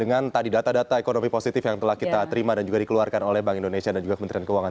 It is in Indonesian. dengan tadi data data ekonomi positif yang telah kita terima dan juga dikeluarkan oleh bank indonesia dan juga kementerian keuangan